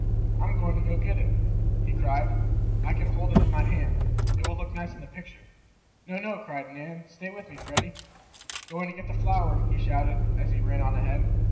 "I'm going to get it!" he cried. "I can hold it in my hand. It will look nice in the picture." "No, no!" cried Nan. "Stay with me, Freddie." "Going to get the flower!" he shouted, as he ran on ahead.